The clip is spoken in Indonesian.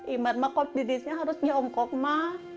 imar kok dedeknya harus nyongkok ma